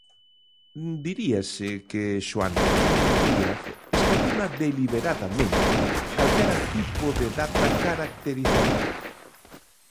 Diríase que Xoán Ramón Díaz escatima deliberadamente calquera tipo de data caracterizador.